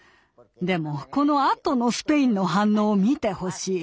でもこのあとのスペインの反応を見てほしい。